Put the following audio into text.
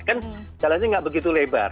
kan jalannya nggak begitu lebar